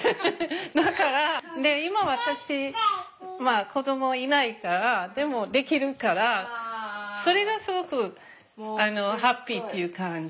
だから今私子供いないからでもできるからそれがすごくハッピーっていう感じ。